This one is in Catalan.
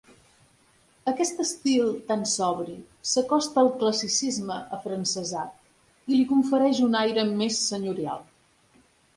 Aquest estil tan sobri, s'acosta al classicisme afrancesat i li confereix un aire més senyorial.